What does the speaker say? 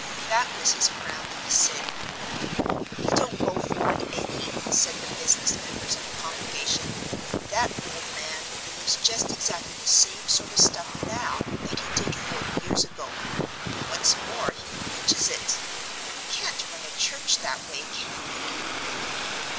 That was his crowning sin. "He don't go forward any," said the business members of the congregation. "That old man believes just exactly the same sort of stuff now that he did forty years ago. What's more, he preaches it. You can't run a church that way, can you?"